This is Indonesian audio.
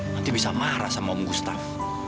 nanti bisa marah sama om gustaf